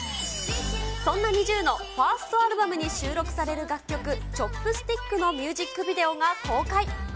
そんなＮｉｚｉＵのファーストアルバムに収録される楽曲、チョップスティックのミュージックビデオが公開。